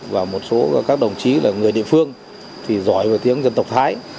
và một số các đồng chí là người địa phương thì giỏi về tiếng dân tộc thái